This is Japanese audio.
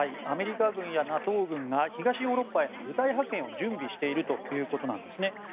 アメリカ軍やＮＡＴＯ軍が東ヨーロッパへの部隊派遣を準備しているということですね。